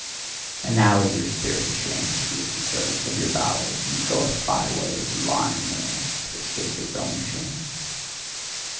And now is your spirit ashamed to be at the service of your bowels, and goeth by ways and lying ways to escape its own shame.